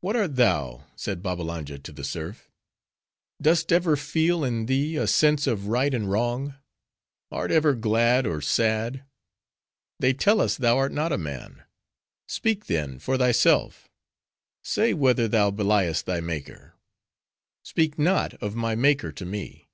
"What art thou," said Babbalanja to the serf. "Dost ever feel in thee a sense of right and wrong? Art ever glad or sad?—They tell us thou art not a man:—speak, then, for thyself; say, whether thou beliest thy Maker." "Speak not of my Maker to me.